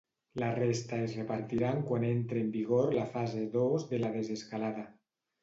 La resta es repartiran quan entre en vigor la fase dos de la desescalada.